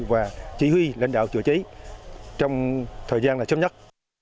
và chỉ huy lãnh đạo chữa cháy trong thời gian là chấm nhất